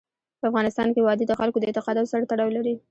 په افغانستان کې وادي د خلکو د اعتقاداتو سره تړاو لري.